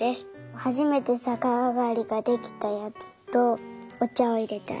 はじめてさかあがりができたやつとおちゃをいれたやつ。